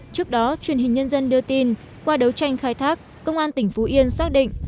trước đó truyền hình nhân dân đưa tin qua đấu tranh khai thác công an tỉnh phú yên xác định